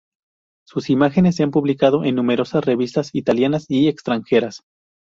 Sus imágenes se han publicado en numerosas revistas italianas y extranjeras.